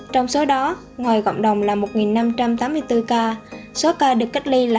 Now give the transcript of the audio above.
trong số đó ngoài gọng đồng là một năm trăm tám mươi bốn ca số ca được cách ly là hai một trăm hai mươi một